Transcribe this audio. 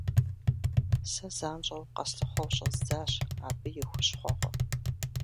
Сэ занщӀэу къэслъыхъуэу щӀэздзащ абы и хущхъуэгъуэ.